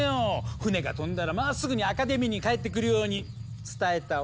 船が飛んだらまっすぐにアカデミーに帰ってくるように伝えたわ。